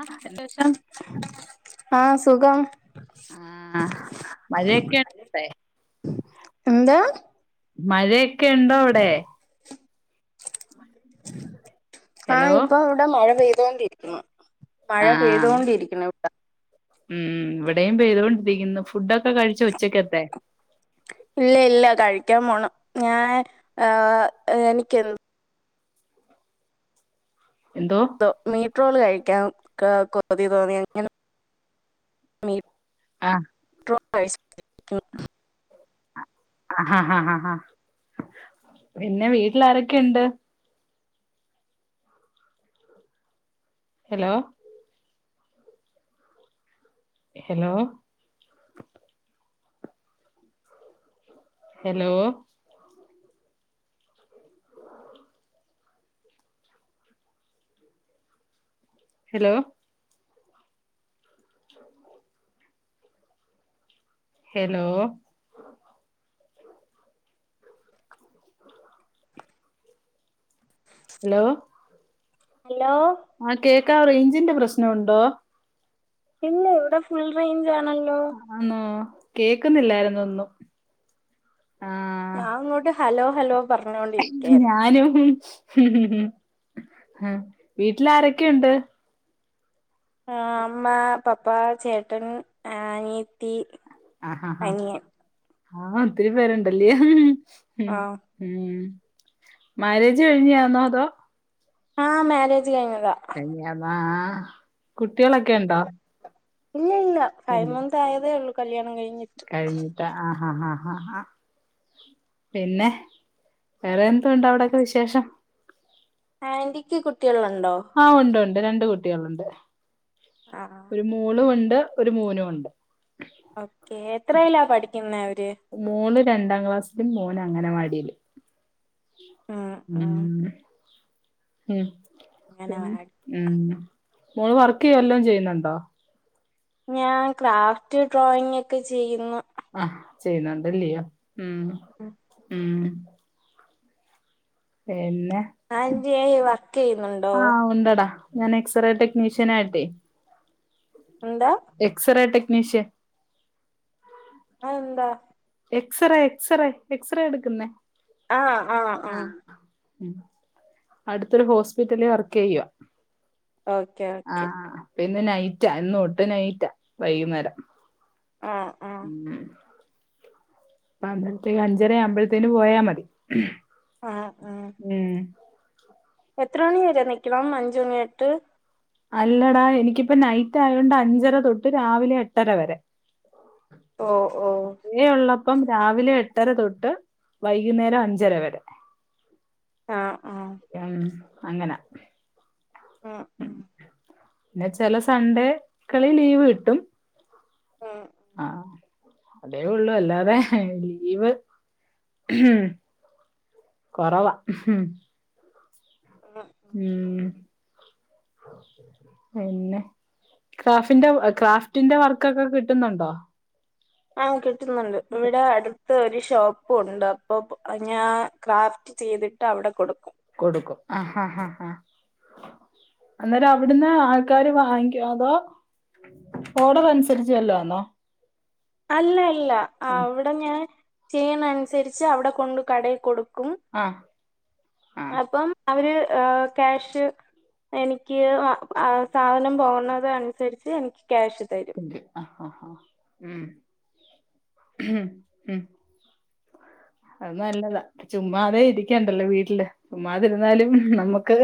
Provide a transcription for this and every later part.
ആഹ് അത്യാവ്ശ്യം ആഹ് സുഖം. ആഹ് മഴയൊക്കെട്ടെ എന്താ മഴയൊക്കെ ഉണ്ടോ അവിടെ? ഹലോ ആഹ് ഇപ്പൊ ഇവിടെ മഴ പെയ്തോണ്ടിരിക്കുന്നു. മഴ ആഹ് പെയ്തോണ്ടിരിക്ക്‌ണ്. ഉം ഇവിടെയും പെയ്തോണ്ടിരിക്കുന്നു ഫുഡൊക്കെ കഴിച്ചോ ഉച്ചക്കത്തെ. ഇല്ല ഇല്ല കഴിക്കാൻ പോണം ഞാൻ ആ എനിക്ക് എ എന്തോ മീറ്റ്റോൾ കഴിക്കാൻ കൊതി തോന്നി അങ്ങനെ മീ ആഹ് മീറ്റ്റോൾ അഹ് ഹാ ഹാ ഹാ ഹാ പിന്നെ വീട്ടിൽ ആരൊക്കെയുണ്ട്. Hello hello hello [inaudible] hello hello hello hello ആഹ് കേക്കാം റയ്ഞ്ചിന്റെ പ്രശ്നവുണ്ടോ ഇല്ല ഇവിടെ ഫുൾ റേഞ്ച് ആണല്ലോ ആന്നോ കേക്കുന്നില്ലായിരുന്നു ഒന്നും. ഞാൻ അങ്ങോട്ട് ഹലോ ഹലോ പറഞ്ഞോണ്ടിരിക്കായിരുന്നു ഞാനും വീട്ടിൽ ആരൊക്കെയുണ്ട് ആഹ് അമ്മ പപ്പാ ചേട്ടൻ ആ അനിയത്തി. അഹഹാ അനിയൻ ആഹ് ഒത്തിരി പേരുണ്ടല്ലേ ആഹ് ഉം മാരേജ് കഴിഞ്ഞ ആന്നോ അതോ. ആഹ് മാരേജ് കഴിഞ്ഞതാ. കഴിഞ്ഞതാ കുട്ടികളൊക്കെ ഉണ്ടോ? ഇല്ല ഇല്ല ഫൈവ് മന്ത് ആയതേ ഉള്ളൂ കല്ല്യാണം കഴിഞ്ഞിട്ട്. കഴിഞ്ഞിട്ട് ആഹ് ആഹ് ആഹ് അഹ് ഹാ പിന്നെ വേറെ എന്തുണ്ട് അവിടെക്കെ വിശേഷം ആന്റിക്ക് കുട്ടികളുണ്ടോ ആഹ് ഉണ്ട് ഉണ്ട് രണ്ട് കുട്ടികളുണ്ട് ആഹ് ഒരു മോളും ഉണ്ട് ഒരു മോനും ഉണ്ട് ഓക്കേ എത്രയിലാ പഠിക്കുന്ന അവര് മോള് രണ്ടാം ക്ലാസ്സിലും മോന് അങ്ങനവാടിലും ഉം ഉ ഉം ഉം അങ്ങനെ ഉം മോള് വർക്ക് വല്ലതും ചെയ്യുന്നുണ്ടോ ഞാൻ ക്രാഫ്റ്റ് ഡ്രോയിങ് ഒക്കെ ചെയ്യുന്നു ആഹ് ചെയ്യുന്നുണ്ട്ല്ലയോ ഉം ആ ഉം പിന്നെ ആന്റിയെ വർക്ക് ചെയ്യുന്നുണ്ടോ ആഹ് ഉണ്ടടാ ഞാൻ എക്സ്റേ ടെക്നീഷ്യൻ ആയിട്ടെ എന്താ എക്സറേ ടെക്നിഷിയൻ അതന്താ എക്സ്റേ എക്സറേ എക്സറേ എടുക്കുന്നേ ആഹ് ആഹ് ആഹ് ഉ അടുത്തൊരു ഹോസ്പിറ്റലിൽ വർക്ക് ചെയ്യുവ ഓക്കെ ഓക്കെ ആഹ് പിന്നെ നൈറ്റാ ഇന്ന് തൊട്ട് നൈറ്റാ വൈകുന്നേരം ആഹ് ആഹ് ഉം പ അന്നേരത്തേക്ക് അഞ്ചര ആവുമ്പഴത്തേന് പോയാ മതി ആഹ് ആഹ് ഉം എത്ര മണി വരെ നിൽക്കണം അഞ്ച് മണി തൊട്ട് അല്ലടാ എനിക്കിപ്പ നൈറ്റ് ആയതോണ്ട് അഞ്ചര തൊട്ട് രാവിലെ എട്ടര വരെ ഓ ഓ ഡേ ഉള്ളപ്പം രാവിലെ എട്ടര തൊട്ട് വൈകുന്നേരം അഞ്ചര വരെ ആഹ് ആഹ് ഉം അങ്ങനെ ആഹ് ഉ പിന്നെ ചില സൺഡേക്കളിൽ ലീവ് കിട്ടും ആഹ് ആഹ് അതേ ഉള്ളു അല്ലാതെ ലീവ് കുറവാ ആഹ് ഉം പിന്നെ ക്രാഫിന്റെ ക്രാഫ്റ്റിന്റെ വർക്കൊക്കെ കിട്ടുന്നുണ്ടോ ആഹ് കിട്ടുന്നുണ്ട് ഇവിടെ അ- ഒരു ഷോപ്പ ഉണ്ട് അപ്പൊ ഞാൻ ക്രാഫ്റ്റ് ചെയ്തിട്ട് അവിടെ കൊടുക്കും കൊടുക്കും ആഹഹ ആഹ അന്നേരം അവിടുന്ന് ആൾക്കാര് വാങ്ങിക്കൊ അതോ ഓഡർ അനുസരിച്ചല്ലോന്നോ അല്ലല്ല അവിടെ ഞാൻ ചെയ്യണ അനുസരിച്ച് അവിടെ കൊണ്ട് കടയിൽ കൊടുക്കും ആഹ് ആഹ് അപ്പം അവര് ക്യാഷ് എനിക്ക് വ ആ സാധനം പോകണത് അനുസര്ച്ച് എനിക്ക് ക്യാഷ് തരും. ഉം ഉം. അത് നല്ലതാ. ചുമ്മാതെ ഇരിക്ക്യണ്ടല്ലൊ വീട്ടില് ചുമ്മാതിരുന്നാലും നമ്മുക്ക്.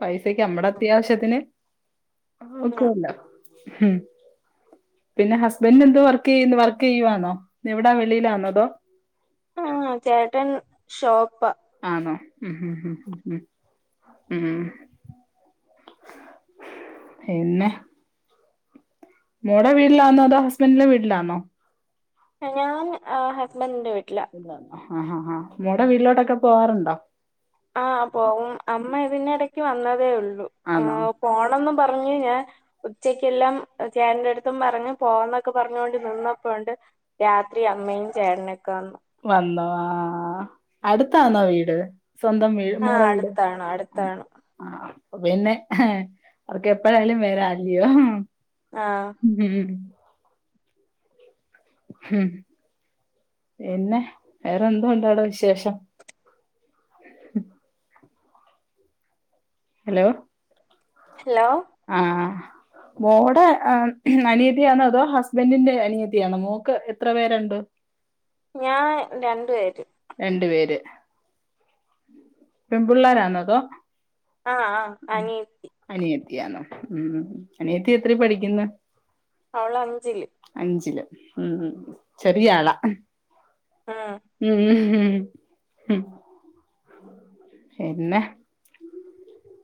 പൈസക്ക് നമ്മടെ അത്യാവശ്യത്തിന് നക്കൊല്ല. പിന്നെ ഹസ്ബൻറ് എന്തോ വർക്കെയ്യുന്നു വർക്കെയ്യുവാന്നോ എവിടാ വെളിയിലാന്നതോ. ആഹ് ചേട്ടൻ ഷോപ്പാ. ആണോ ഉം. പിന്നെ. മോളെ വീടിലാണോ അതോ ഹസ്ബൻറിന്റെ വീട്ടിലാന്നോ. ഞാൻ ആ ഹസ്ബൻഡിന്റെ വീട്ടില. ആഹ് ആഹ് ആഹ് മോൾടെ വീട്ടിലോട്ടൊക്കെ പോവാറുണ്ടൊ. ആഹ് പോവും അമ്മ ഇതിന്നിടക്ക് വന്നതേ ഉള്ളു. ആന്നോ. പോണംന്നും പറഞ് ഞാൻ. ഉച്ചക്കെല്ലാം ചേട്ടന്റെടുത്തും പറഞ്ഞ് പോകന്നൊക്കെ പറഞ്ഞൊണ്ട് നിന്നപ്പോ ഉണ്ട്. രാത്രി അമ്മയും ചേട്ടനൊക്കെ വന്നു. വന്നോ ആഹ് അടുത്താന്നോ വീട് സ്വന്തം വീ ട് ആഹ് മോളെ വീട് അടുത്താണ് ആ. അടുത്താണ് ആഹ് അപ്പ പിന്നെ അവർക്ക് എപ്പഴായാലും വരാ അല്ലയോ. ആഹ്. ഉം ഹും. പിന്നെ വേറെ എന്തോണ്ടവ്ട വിശേഷം. ഹലോ. ഹലോ. ആഹ്. മോടെ എ അനിയതിയാന്നൊ അതോ ഹസ്ബൻഡിന്റെ അനിയതിയാണോ മോക്ക് എത്ര പേരുണ്ട്. ഞാൻ രണ്ട് പേര്. രണ്ടു പേര് പെൺപിള്ളേരാന്നോ അതോ. ആഹ് ആഹ് അനിയത്തി. അനിയത്തിയാന്നോ ഉം അനിയത്തി എത്രെ പഠിക്കുന്ന്‌. അവള് അഞ്ചില്. അഞ്ചില് ഉം ചെറിയ ആളാ. ആഹ്. ഉം പിന്നെ.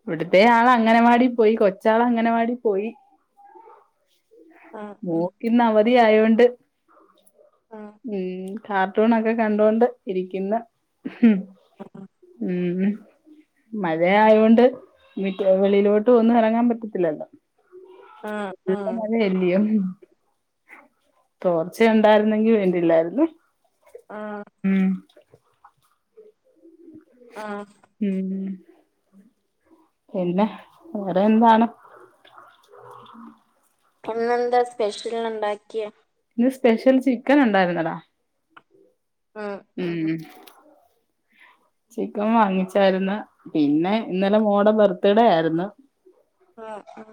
ഇവിടുത്തെ ആള് അങ്ങനവാടി പോയി കൊച്ചാൾ അങ്ങനവാടി പോയി. ഉം ഉം മോക്കിന്ന്‌ അവധി ആയോണ്ട് ഉം ഉം കാർ ട്ടൂണൊക്കെ കണ്ടൊണ്ട് ഇരിക്കുന്ന് ഉം. മഴയായൊണ്ട് വെളിയിലോട്ട് ഒന്നു ഇറങ്ങാൻ പറ്റത്തില്ലല്ലോ. ആഹ്. ഇവിടെ മഴയല്ലിയോ തോർച്ച ഉണ്ടായിരുന്നെങ്കി വേണ്ടില്ലായിരുന്നു. ആഹ്. ഉം ആഹ്. ഉം പിന്നെ വേറെ എന്താണ്. ഉ ഇന്നെന്താ സ്പെഷ്യല്ണ്ടാക്കിയെ? ഇന്ന് സ്പെഷ്യൽ ചിക്കനുണ്ടായിരുന്നടാ, ആഹ്, ഉം ചിക്കൻ വാങ്ങിച്ചായിരുന്നു പിന്നെ ഇന്നലെ മോടെ ബർത്ത്ഡേ ആയിരുന്നു, ആഹ്,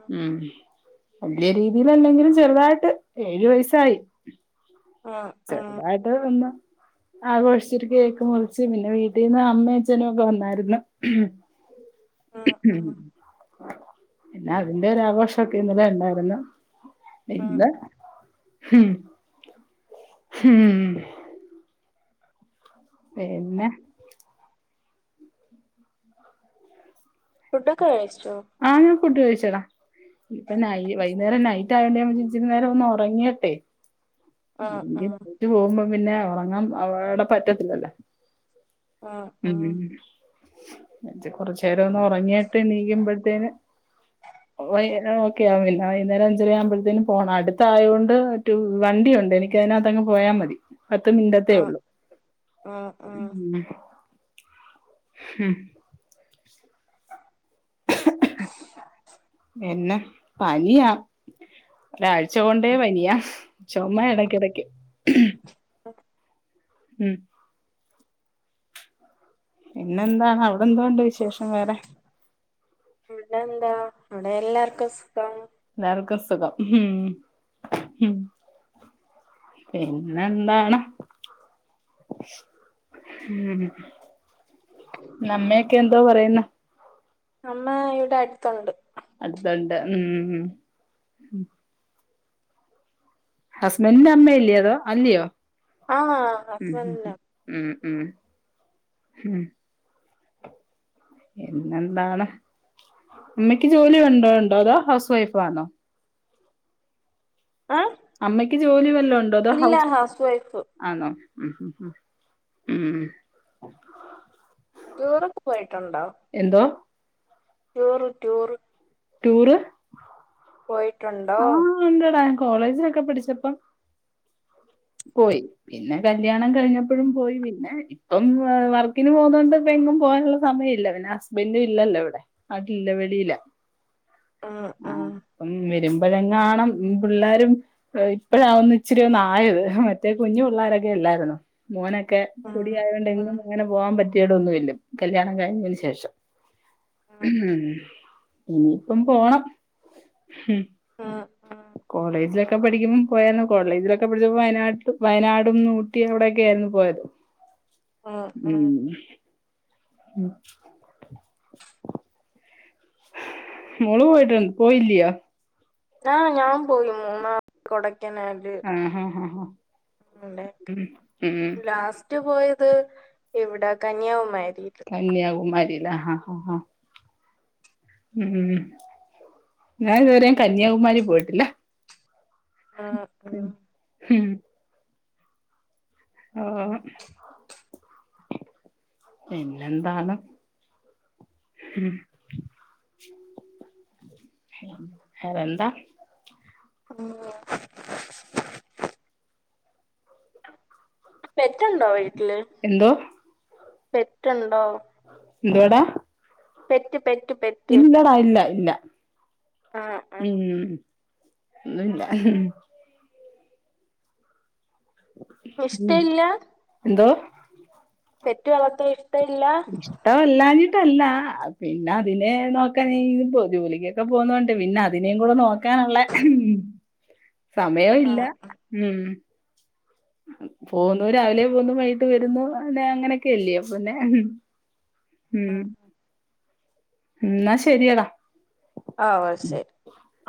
ഉം വല്യ രീതിയിലല്ലെങ്കിലും ചെറുതായിട്ട് ഏഴു വയസ്സായി, ഉം ഉം ചെറുതായിട്ട് ഒന്ന്, ആഘോഷിച്ച് ഒരു കേക്ക് മുറിച്ച് പിന്നെ വീട്ടീന്ന് അമ്മേ അച്ഛനൊക്കെ വന്നായിരുന്നു, ഉം പിന്ന അതിന്റെ ഒര് ആഘോഷവൊക്കെ ഇന്നലെ ഒണ്ടായിരുന്നു, ഉം ഇന്ന് ഹും, ഹും പിന്നെ? ഫുഡൊക്കെ കഴ്ച്ചോ? ആഹ് ഞാൻ ഫുഡ്‌ കഴിച്ചെടാ, ഇപ്പൊ ന വൈകുന്നേരം നൈ റ്റ് ആയോണ്ട് ഞാൻ വിചാരിച്ച് ഇച്ചിരി നേരമൊന്ന് ഒറങ്ങിയിട്ടെ, ആഹ് ആഹ് ട്ട് പോകുമ്പം പിന്നെ ഒറങ്ങാൻ അവിടെ പറ്റത്തില്ലല്ലോ? ആഹ് ഉം ആഹ് എന്ന് വെച്ച് കൊറച്ചേരം ഒന്ന് ഒറങ്ങിയിട്ട് എണ്ണീക്കുമ്പഴ്ത്തേന്, ഓക്കെ ആഹ് പിന്നെ വൈന്നേരം അഞ്ചരാ ആകുമ്പോഴ്‌ത്തേന് പോണം അടുത്തായോണ്ട് ടൂ വീ വണ്ടിയുണ്ട് എനിക്ക് അതിനാത്തങ്ങ് പോയാ മതി പത്ത് മിന്ട്ടത്തേ ആഹ് ഒള്ളൂ ആഹ് ആഹ് ഉം എന്ന പനിയാ ഒരാഴ്‌ ച്ച കൊണ്ടേ വയ്യ ചുമ എടയ്ക്കെടക്ക് ഉം ഉം പിന്നെന്താ അവിടെ എന്തോ ഉണ്ട് വിശേഷം വേറെ? ഇവിടെയെന്താ ഇവിടെ എല്ലാർക്കും സുഖം എല്ലാർക്കും സുഖം ഹും ഉം പിന്നെന്താണ്? ഉം പിന്നെ അമ്മയൊക്കെ എന്തോ പറയുന്നു? അമ്മ ഇവിടെ അടുത്തുണ്ട് അടുത്ത്ണ്ട് മ്മ്ഹ് ഹസ്ബൻഡിന്റെ അമ്മയല്ലയോ അത് അല്ലയോ? ആഹ് ഉം ഹസ്ബൻഡിന് ഉം ഉം ഉം പിന്നെന്താണ്? അമ്മക്ക് ജോലിയുണ്ടോ ഉണ്ടോ അതോ ഹൗസ് വൈഫാന്നോ? ഏഹ്? അമ്മയ്ക്ക് ജോലി വല്ലോം ഉണ്ടോ? അതോ ഹൗസ് വൈഫ് ആന്നോ? ഉം ഉം ഉം ഉംഹ് ടൂറൊക്കെ പോയിട്ടുണ്ടോ? എന്തോ? ടൂറ് ടൂറ് ടൂറ് പോയിട്ടുണ്ടോ ഉണ്ടട ഞാൻ കോളേജിലൊക്കെ പഠിച്ചപ്പം പോയി പിന്നെ കല്യാണം കഴിഞ്ഞപ്പൊഴും പോയി പിന്നെ ഇപ്പം വർക്കിന് പോകുന്നോണ്ട് ഇപ്പ എങ്ങും പോവാനുള്ള സമയം ഇല്ല പിന്നെ ഹസ്ബൻഡും ഇല്ലല്ലോ ഇവിടെ നാട്ടിലില്ല വെളീല. ഉം ഉം ആഹ് ഇപ്പം വെ ഇപ്പഴെങ്ങാണും പിള്ളാരും ഇപ്പഴാ ഒന്ന് ഇച്ചിരി ഒന്നായത് മറ്റേ കുഞ്ഞു പിള്ളോരൊക്കെ അല്ലായിരുന്നൊ മോനൊക്കെ ഉം പൊടി ആയോണ്ട് ഉം എങ്ങും അങ്ങനെ പോകാൻ പറ്റിയതൊന്നുല്ല കല്യാണം കഴിഞ്ഞതിന് ശേഷം ഉം ഇനിപ്പം പോണം ഹും ആഹ് കോളേജിലൊക്കെ പഠിക്കുമ്പോം പോയാല് കോളേജിലൊക്കെ പഠിച്ചപ്പോ വയനാട്ട് വയനാടും ഊ ട്ടി അവിടടൊക്കെ ആയിരുന്നു പോയത് ഉം മോളു പോയിട്ടുണ്ട് പോയില്ല്യാ ആഹ് ഞാൻ പോയി മൂന്നാർ കൊടയ്ക്കനാല് ആഹ് ആഹ് ആഹ് ആഹ് ഉം ഉം റ്റ് പോയത് ഇവിടെ കന്യാകുമാരീല് കന്യാകുമാരി ലെ ആഹ് ആഹ് ആഹ് ഉം ഞാന് ഇതുവരെ കന്യാകുമാരി പോയിട്ടില്ല ഉം ഉം ഉം ആഹ് പിന്നെന്താണ് വേറെന്താ ആഹ് പെറ്റ്ണ്ടോ വീട്ടില് എന്തോ പെറ്റ്ണ്ടോ? എന്തുവാടാ പെറ്റ് പെറ്റ് പെ ഇല്ലടാ ഇല്ല ഇല്ല. ആ ആ ഉം ഒന്നൂല്ല. ഉം ഇഷ്ടയില്ല? എന്തോ? പെറ്റ് വളർത്താൻ ഇഷ്ടയില്ല? ഇഷ്ട്ടല്ലാഞ്ഞിട്ടല്ല പിന്നെ അതിനെ നോക്കാൻ ഇനിപ്പൊ ജോലിക്കൊക്കെ പോന്നോണ്ട് പിന്ന അ തിനേം കൂടെ നോക്കാനുള്ളെ സമയോ ആ ഇല്ല ഉം. പോകുന്നു രാവിലെ പോകുന്നു വൈകിട്ട് വരുന്നു അങ്ങനെ അങ്ങനൊക്കെ ഇല്ലേ പിന്നെ. ആ ഉം എന്നാ ശരിയടാ ആവൊ ശരി. ആ